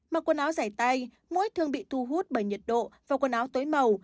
mặc quần áo dày tay mũi thường bị thu hút bởi nhiệt độ và quần áo tối màu